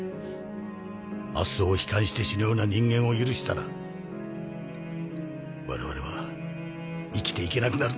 明日を悲観して死ぬような人間を許したら我々は生きていけなくなるんだ。